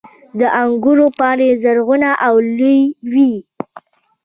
• د انګورو پاڼې زرغون او لویې وي.